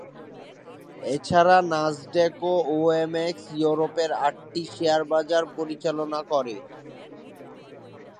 এছাড়া ন্যাসড্যাক-ওএমএক্স ইউরোপের আটটি শেয়ার বাজার পরিচালনা করে।